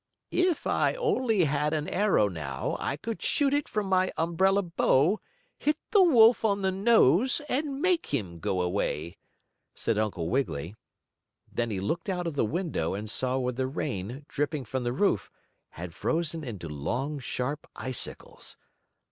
"If I only had an arrow now I could shoot it from my umbrella bow, hit the wolf on the nose and make him go away," said Uncle Wiggily. Then he looked out of the window and saw where the rain, dripping from the roof, had frozen into long, sharp icicles.